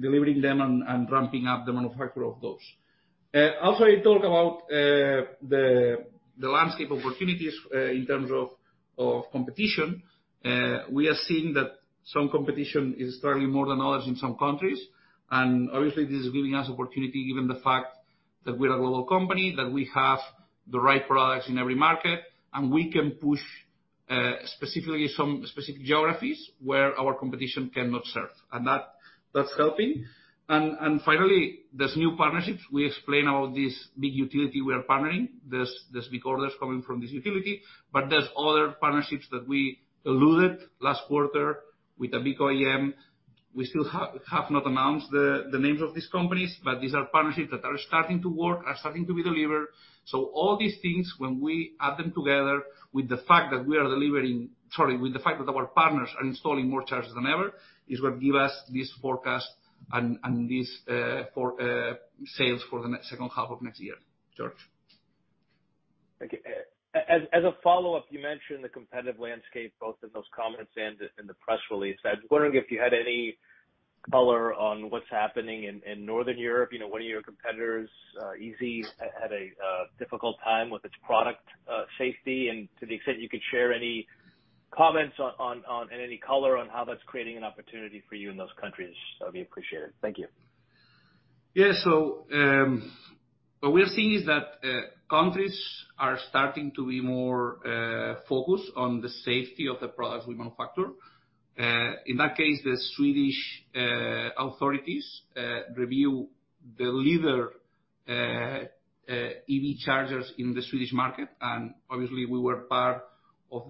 Delivering them and ramping up the manufacture of those. Also you talk about the landscape opportunities in terms of competition. We are seeing that some competition is starting more than others in some countries. Obviously this is giving us opportunity given the fact that we're a global company, that we have the right products in every market, and we can push specifically some specific geographies where our competition cannot serve. That's helping. Finally, there's new partnerships. We explain all this big utility we are partnering. There's big orders coming from this utility. There's other partnerships that we alluded last quarter with a big OEM. We still have not announced the names of these companies, but these are partnerships that are starting to work, are starting to be delivered. All these things, when we add them together with the fact that our partners are installing more charges than ever, is what give us this forecast and this for sales for the second half of next year. George. Thank you. As a follow-up, you mentioned the competitive landscape, both in those comments and the press release. I was wondering if you had any color on what's happening in Northern Europe. You know, one of your competitors, Easee, had a difficult time with its product safety. To the extent you could share any comments on. Any color on how that's creating an opportunity for you in those countries, that'd be appreciated. Thank you. What we are seeing is that countries are starting to be more focused on the safety of the products we manufacture. In that case, the Swedish authorities review the leader EV chargers in the Swedish market, and obviously we were part of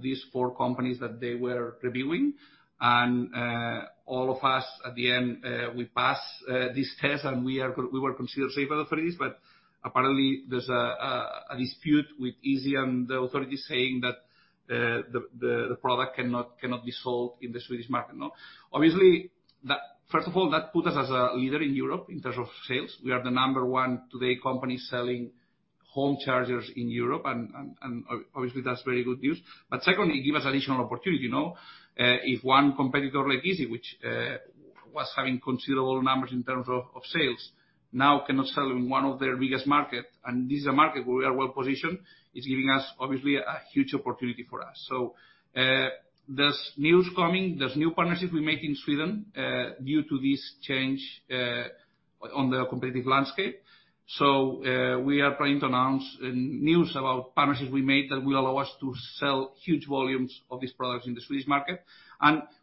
these four companies that they were reviewing. All of us at the end, we passed this test and we were considered safe for this. Apparently there's a dispute with Easee and the authorities saying that the product cannot be sold in the Swedish market, no? First of all, that put us as a leader in Europe in terms of sales. We are the number one today company selling home chargers in Europe, and obviously that's very good news. Secondly, it give us additional opportunity, you know? If one competitor like Easee, which was having considerable numbers in terms of sales now cannot sell in one of their biggest market, and this is a market where we are well positioned, it's giving us obviously a huge opportunity for us. There's news coming, there's new partnerships we make in Sweden, due to this change on the competitive landscape. We are planning to announce news about partnerships we made that will allow us to sell huge volumes of these products in the Swedish market.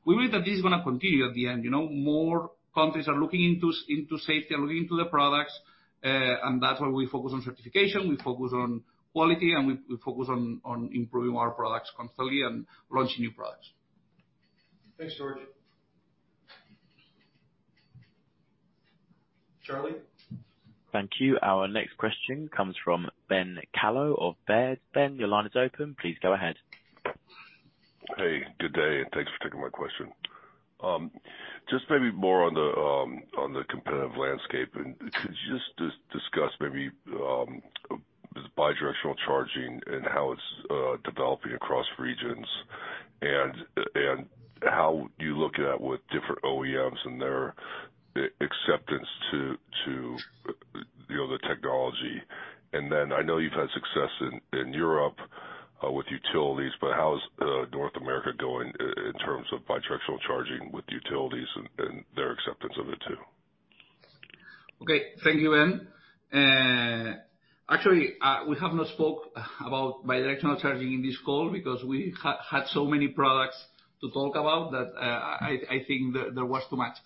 We believe that this is gonna continue at the end, you know? More countries are looking into safety, are looking into the products. That's why we focus on certification, we focus on quality, and we focus on improving our products constantly and launching new products. Thanks, George. Charlie? Thank you. Our next question comes from Ben Kallo of Baird. Ben, your line is open. Please go ahead. Hey, good day. Thanks for taking my question. Just maybe more on the competitive landscape. Could you just discuss maybe bidirectional charging and how it's developing across regions and how you look at with different OEMs and their acceptance to, you know, the technology? Then I know you've had success in Europe with utilities, but how is North America going in terms of bidirectional charging with utilities and their acceptance of it too? Okay. Thank you, Ben. Actually, we have not spoke about bidirectional charging in this call because we had so many products to talk about that I think there was too much.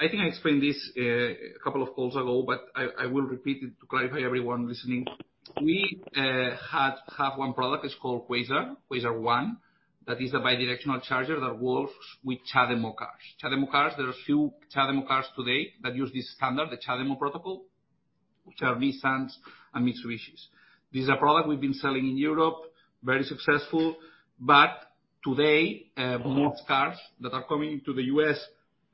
I think I explained this a couple of calls ago, but I will repeat it to clarify everyone listening. We have one product it's called Quasar 1, that is a bidirectional charger that works with CHAdeMO cars. CHAdeMO cars, there are few CHAdeMO cars today that use this standard, the CHAdeMO protocol, which are Nissans and Mitsubishi. This is a product we've been selling in Europe, very successful. Today, most cars that are coming into the U.S.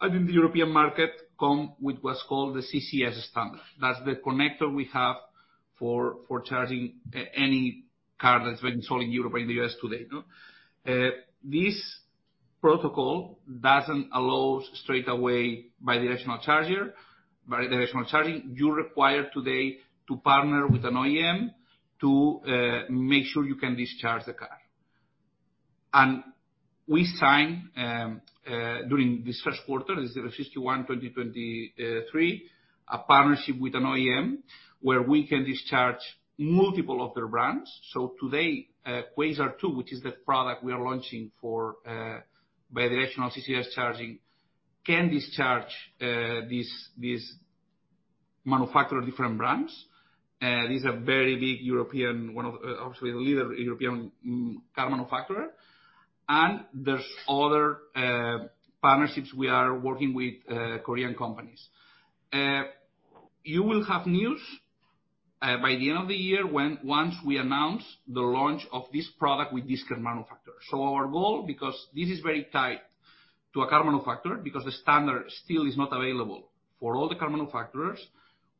and in the European market come with what's called the CCS standard. That's the connector we have for charging any car that's been sold in Europe or in the U.S. today, no? This protocol doesn't allow straight away bidirectional charger, bidirectional charging. You're required today to partner with an OEM to make sure you can discharge the car. We signed during this first quarter, this is 51, 2023, a partnership with an OEM where we can discharge multiple of their brands. Today, Quasar 2, which is the product we are launching for bidirectional CCS charging, can discharge these manufacturer different brands. These are very big European, one of the. Obviously the leader European car manufacturer. There's other partnerships we are working with Korean companies. You will have news by the end of the year when once we announce the launch of this product with this car manufacturer. Our goal, because this is very tied to a car manufacturer, because the standard still is not available for all the car manufacturers,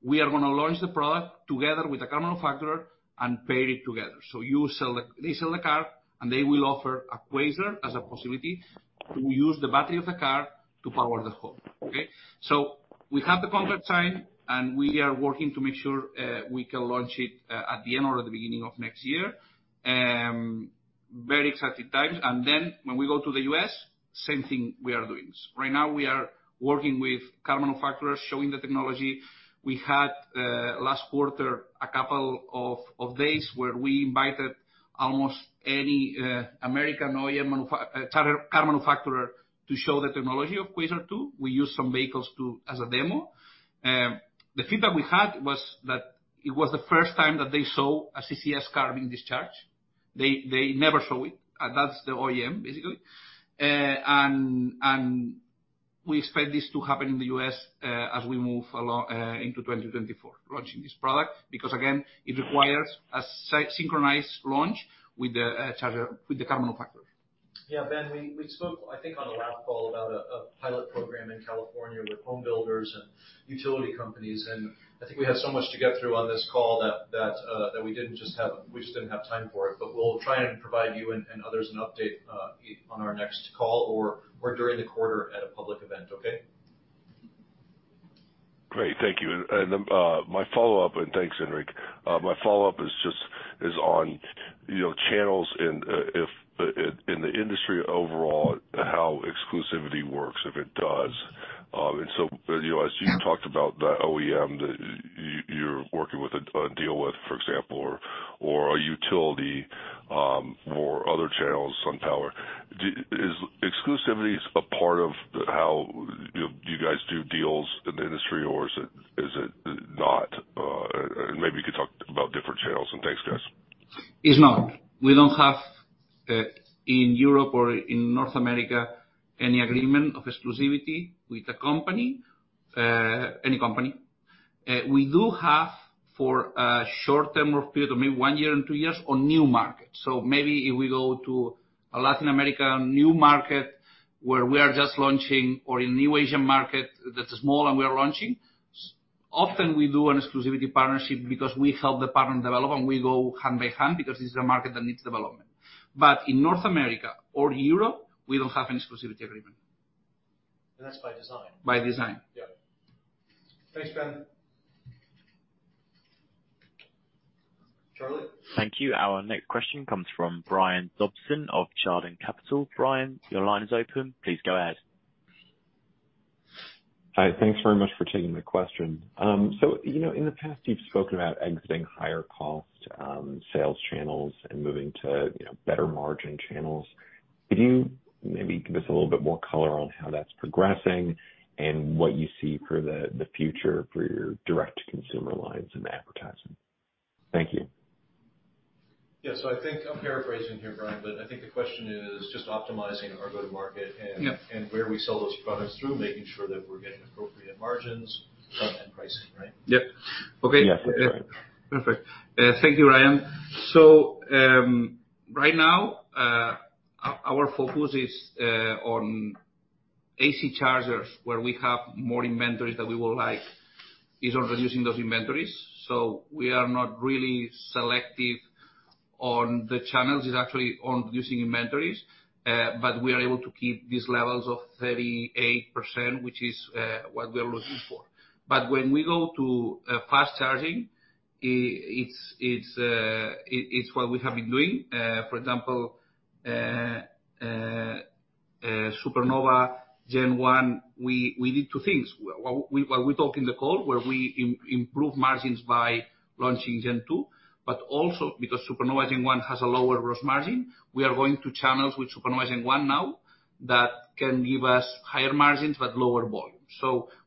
we are going to launch the product together with the car manufacturer and pair it together. You sell the they sell the car, and they will offer a Quasar as a possibility to use the battery of the car to power the home. Okay? We have the contract signed, and we are working to make sure we can launch it at the end or the beginning of next year. Very exciting times. When we go to the U.S., same thing we are doing. Right now we are working with car manufacturers, showing the technology. We had last quarter a couple of days where we invited almost any American OEM car manufacturer to show the technology of Quasar 2. We used some vehicles as a demo. The feedback we had was that it was the first time that they saw a CCS car being discharged. They never saw it. That's the OEM, basically. We expect this to happen in the U.S. as we move along into 2024, launching this product, because, again, it requires a synchronized launch with the car manufacturer. Yeah, Ben, we spoke, I think on the last call about a pilot program in California with home builders and utility companies. I think we have so much to get through on this call that we just didn't have time for it. We'll try and provide you and others an update on our next call or during the quarter at a public event. Okay? Great. Thank you. My follow-up, and thanks, Enric. My follow-up is on, you know, channels and, if, in the industry overall, how exclusivity works, if it does. You know, as you talked about the OEM that you're working with a deal with, for example, or a utility, or other channels, SunPower. Is exclusivity a part of how you guys do deals in the industry, or is it not? Maybe you could talk about different channels. Thanks, guys. It's not. We don't have, in Europe or in North America any agreement of exclusivity with a company, any company. We do have for a short term of period, maybe one year and two years, on new markets. Maybe if we go to a Latin America new market where we are just launching or a new Asian market that is small and we are launching, often we do an exclusivity partnership because we help the partner develop and we go hand by hand because this is a market that needs development. In North America or Europe, we don't have an exclusivity agreement. That's by design. By design. Yeah. Thanks, Ben. Charlie? Thank you. Our next question comes from Brian Dobson of Chardan Capital. Brian, your line is open. Please go ahead. Hi. Thanks very much for taking my question. You know, in the past, you've spoken about exiting higher cost sales channels and moving to, you know, better margin channels. Could you maybe give us a little bit more color on how that's progressing and what you see for the future for your direct-to-consumer lines and advertising? Thank you. Yes, I think I'm paraphrasing here, Brian, but I think the question is just optimizing our go-to-market- Yeah. Where we sell those products through, making sure that we're getting appropriate margins from end pricing, right? Yeah. Okay. Yeah. Perfect. Thank you, Brian. Right now, our focus is on AC chargers, where we have more inventory that we will like, is on reducing those inventories. We are not really selective on the channels. It's actually on reducing inventories. But we are able to keep these levels of 38%, which is what we are looking for. But when we go to fast charging, it's what we have been doing. For example, Supernova Gen 1, we did two things. While we talk in the call where we improve margins by launching Gen 2, but also because Supernova Gen 1 has a lower gross margin, we are going to channels with Supernova Gen 1 now that can give us higher margins but lower volume.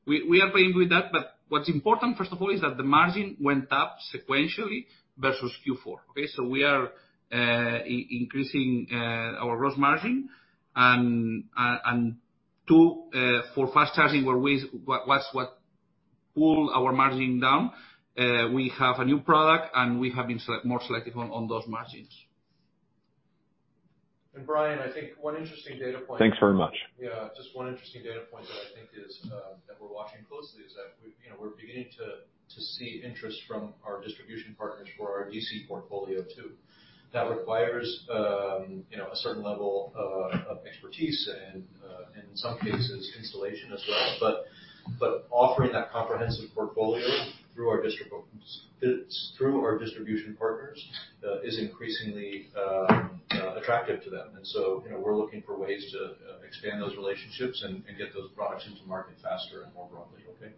We are playing with that. What's important, first of all, is that the margin went up sequentially versus Q4. Okay? We are increasing our gross margin and two, for fast charging, what's, what pulled our margin down, we have a new product, and we have been more selective on those margins. Brian, I think one interesting data point. Thanks very much. Yeah, just one interesting data point that I think is that we're, you know, beginning to see interest from our distribution partners for our DC portfolio too. That requires, you know, a certain level of expertise and in some cases installation as well. But offering that comprehensive portfolio through our distribution partners is increasingly attractive to them. You know, we're looking for ways to expand those relationships and get those products into market faster and more broadly. Okay?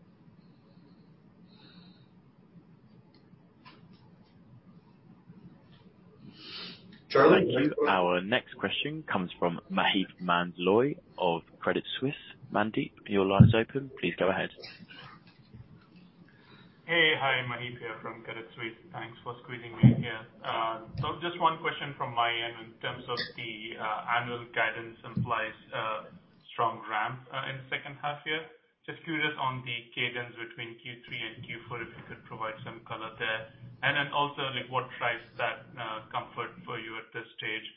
Thank you. Our next question comes from Maheep Mandloi of Credit Suisse. Maheep, your line is open. Please go ahead. Hey. Hi, Maheep here from Credit Suisse. Thanks for squeezing me in here. So just one question from my end in terms of the annual guidance implies strong ramp in second half year. Just curious on the cadence between Q3 and Q4, if you could provide some color there? Also, like what drives that comfort for you at this stage?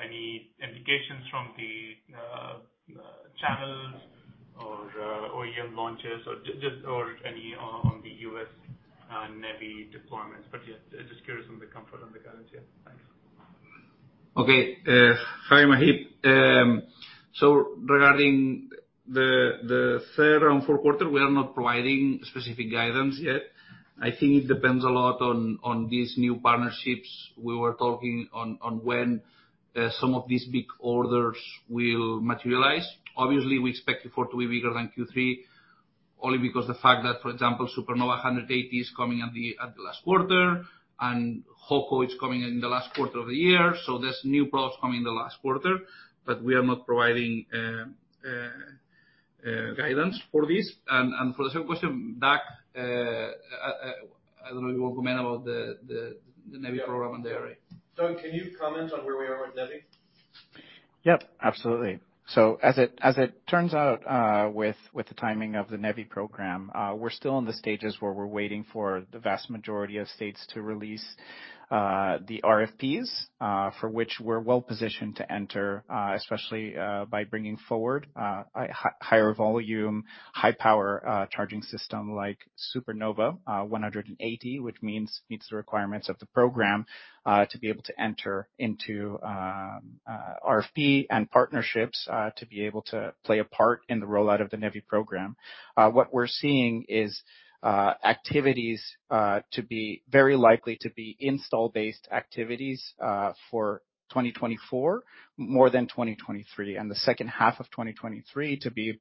Any indications from the channels or OEM launches or any on the U.S. NEVI deployments? Yeah, just curious on the comfort and the guidance. Yeah. Thanks. Okay. Hi, Maheep. Regarding the third and fourth quarter, we are not providing specific guidance yet. I think it depends a lot on these new partnerships we were talking on when some of these big orders will materialize. Obviously, we expect Q4 to be bigger than Q3 only because the fact that, for example, Supernova 180 is coming at the last quarter, and Hoco is coming in the last quarter of the year. There's new products coming in the last quarter, but we are not providing guidance for this. For the second question, Doug, I don't know if you want to comment about the NEVI program and the IRA. Doug, can you comment on where we are with NEVI? Yep, absolutely. As it turns out, with the timing of the NEVI program, we're still in the stages where we're waiting for the vast majority of states to release the RFPs, for which we're well-positioned to enter, especially by bringing forward a higher volume, high power charging system like Supernova 180, which meets the requirements of the program, to be able to enter into RFP and partnerships to be able to play a part in the rollout of the NEVI program. What we're seeing is activities to be very likely to be install-based activities for 2024 more than 2023, and the second half of 2023 to be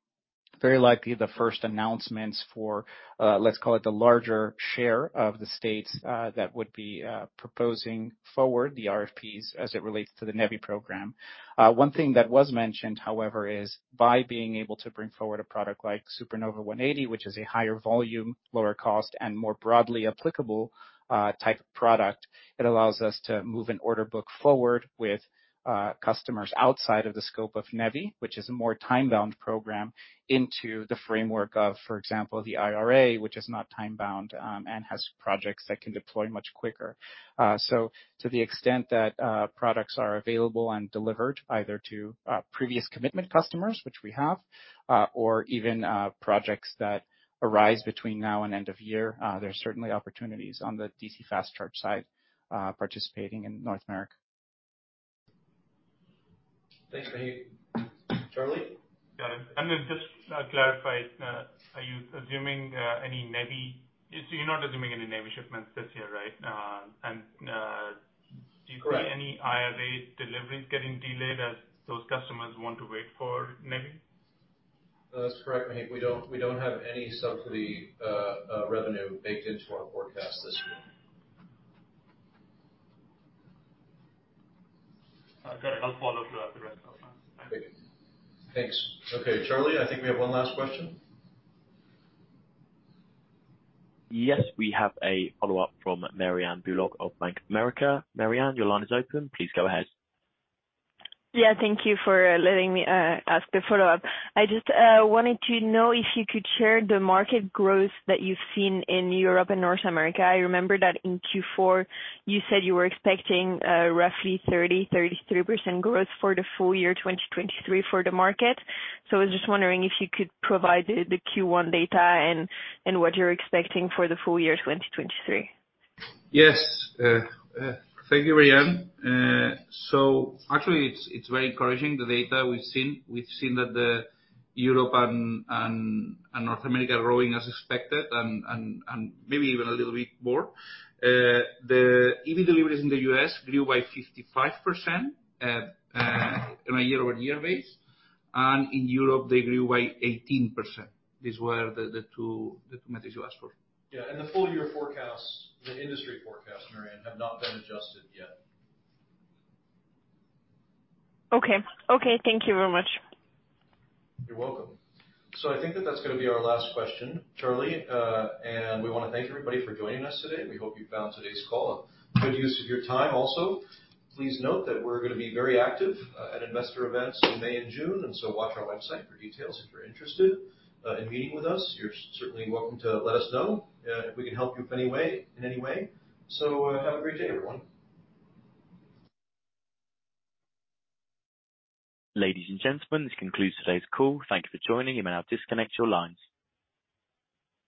very likely the first announcements for, let's call it the larger share of the states that would be proposing forward the RFPs as it relates to the NEVI program. One thing that was mentioned, however, is by being able to bring forward a product like Supernova 180, which is a higher volume, lower cost, and more broadly applicable type of product, it allows us to move an order book forward with customers outside of the scope of NEVI, which is a more time-bound program into the framework of, for example, the IRA, which is not time-bound and has projects that can deploy much quicker. To the extent that products are available and delivered either to previous commitment customers, which we have, or even projects that arise between now and end of year, there are certainly opportunities on the DC fast charge side, participating in North America. Thanks, Maheep. Charlie? Yeah. Just clarify, are you assuming any NEVI. You're not assuming any NEVI shipments this year, right? Correct. Do you see any IRA deliveries getting delayed as those customers want to wait for NEVI? That's correct, Maheep. We don't have any subsidy revenue baked into our forecast this year. Okay. I'll follow through at the rest of them. Thank you. Thanks. Okay, Charlie, I think we have one last question. Yes, we have a follow-up from Marianne Bulot of Bank of America. Marianne, your line is open. Please go ahead. Yes, thank you for letting me ask the follow-up. I just wanted to know if you could share the market growth that you've seen in Europe and North America. I remember that in Q4, you said you were expecting roughly 33% growth for the full year 2023 for the market. I was just wondering if you could provide the Q1 data and what you're expecting for the full year 2023. Yes. Thank you, Marianne. Actually it's very encouraging, the data we've seen. We've seen that Europe and North America are growing as expected and maybe even a little bit more. The EV deliveries in the U.S. grew by 55% on a year-over-year base. In Europe, they grew by 18%. These were the two metrics you asked for. Yeah. The full year forecast, the industry forecast, Marianne, have not been adjusted yet. Okay. Okay. Thank you very much. You're welcome. I think that that's gonna be our last question, Charlie. We wanna thank everybody for joining us today. We hope you found today's call a good use of your time also. Please note that we're gonna be very active at investor events in May and June, watch our website for details. If you're interested in meeting with us, you're certainly welcome to let us know if we can help you if any way, in any way. Have a great day, everyone. Ladies and gentlemen, this concludes today's call. Thank you for joining. You may now disconnect your lines.